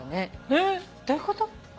えっ？どういうこと？